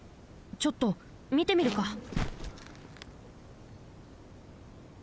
ちょっとみてみるか！